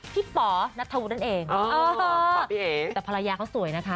พี่ป๋อนัตรธวุนั่นเองเออเออแต่ภรรยาเขาสวยนะฮะ